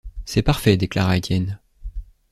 C’est parfait, déclara Étienne.